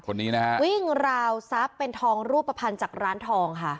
คนนี้นะฮะวิ่งราวทรัพย์เป็นทองรูปภัณฑ์จากร้านทองค่ะ